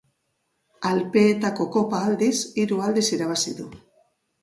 Alpeetako Kopa aldiz hiru aldiz irabazia du.